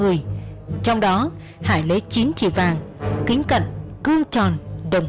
qua nhà không